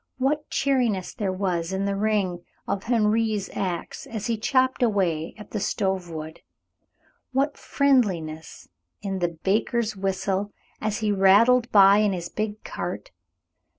What cheeriness there was in the ring of Henri's axe as he chopped away at the stove wood! What friendliness in the baker's whistle, as he rattled by in his big cart!